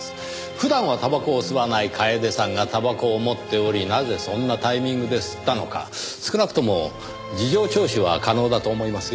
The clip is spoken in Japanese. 普段はたばこを吸わない楓さんがたばこを持っておりなぜそんなタイミングで吸ったのか少なくとも事情聴取は可能だと思いますよ。